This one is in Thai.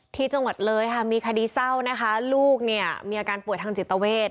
ที่จังหวัดเลยค่ะมีคดีเศร้านะคะลูกเนี่ยมีอาการป่วยทางจิตเวท